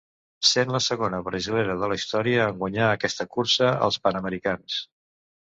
Sent la segona Brasilera de la història en guanyar aquesta cursa als Panamericans.